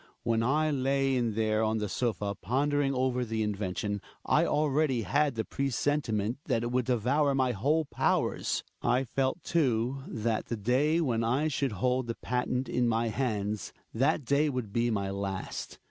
When I lay in there on the sofa pondering over the invention, I already had the pre sentiment that it would devour my whole powers. I felt, too, that the day when I should hold the patent in my hands — that day would be my last.